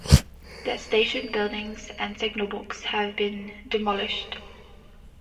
The station buildings and signal box have been demolished.